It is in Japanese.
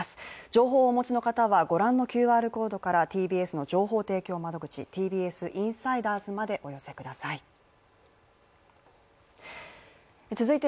情報をお持ちの方はご覧のＱＲコードからＴＢＳの情報提供窓口、ＴＢＳインサイダーズまでお寄せください。